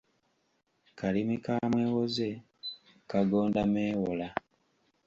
Kalimi ka mwewoze, kagonda meewola.